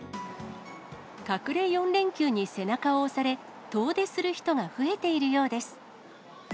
隠れ４連休に背中を押され、遠出する人が増えているようです。